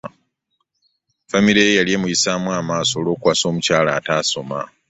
Famire ye yali emuyisaamu amaaso olw'okuwasa omukyala atasoma.